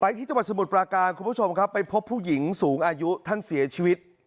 ที่จังหวัดสมุทรปราการคุณผู้ชมครับไปพบผู้หญิงสูงอายุท่านเสียชีวิต